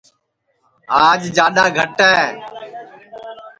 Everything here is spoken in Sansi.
آج جاڈؔا گھٹ ہے